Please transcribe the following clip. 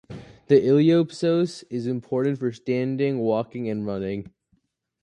The iliopsoas is important for standing, walking, and running.